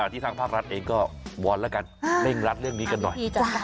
ที่ทางภาครัฐเองก็วอนแล้วกันเร่งรัดเรื่องนี้กันหน่อย